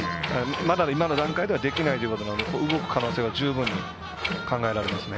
まだ今の段階ではできないということなので動く可能性は十分に考えられますね。